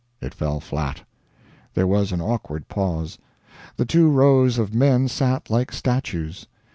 It fell flat. There was an awkward pause. The two rows of men sat like statues.